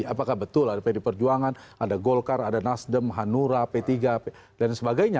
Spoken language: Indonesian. apakah betul ada pd perjuangan ada golkar ada nasdem hanura p tiga dan sebagainya